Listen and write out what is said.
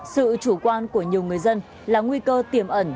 sự chủ quan của nhiều người dân là nguy cơ tiềm ẩn